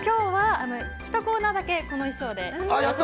ひとコーナーだけ、この衣装で。